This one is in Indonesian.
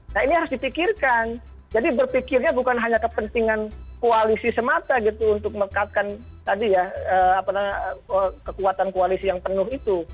nah ini harus dipikirkan jadi berpikirnya bukan hanya kepentingan koalisi semata untuk mengatakan kekuatan koalisi yang penuh itu